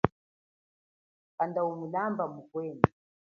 Kanda umulamba mukwenu.